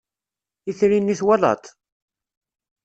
Itri-nni twalaḍ-t?